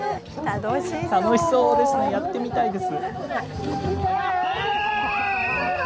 楽しそうですね、やってみたいです。